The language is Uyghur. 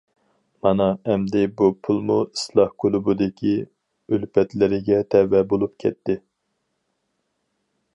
مانا ئەمدى بۇ پۇلمۇ ئىسلاھ كۇلۇبىدىكى ئۈلپەتلىرىگە تەۋە بولۇپ كەتتى.